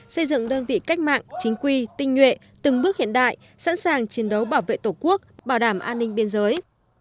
xây dựng đơn vị cách mạng chính quy tinh nhuệ từng bước hiện đại sẵn sàng chiến đấu bảo vệ tổ quốc bảo đảm an ninh biên giới